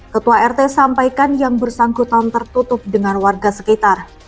ketua rt sampaikan yang bersangkutan tertutup dengan warga sekitar